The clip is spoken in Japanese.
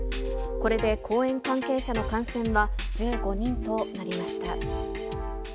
これで公演関係者の感染は１５人となりました。